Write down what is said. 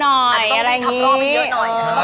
หมวกปีกดีกว่าหมวกปีกดีกว่า